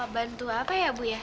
bantu apa ya bu